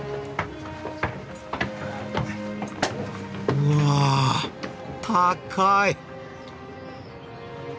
うわ高い！